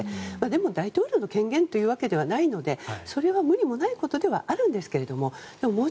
でも、大統領の権限というわけではないのでそれは無理もないことではあるんですがでももう